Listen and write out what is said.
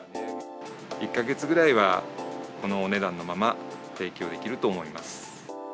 １か月ぐらいは、このお値段のまま、提供できると思います。